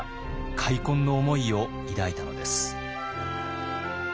悔恨の思いを抱いたのです。